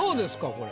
これ。